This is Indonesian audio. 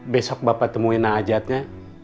besok bapak temuin na'ajatnya